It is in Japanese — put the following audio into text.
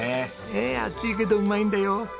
ねえ熱いけどうまいんだよ。